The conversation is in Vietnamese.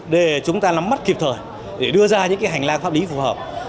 để chúng ta nắm mắt kịp thời để đưa ra những hành lang pháp lý phù hợp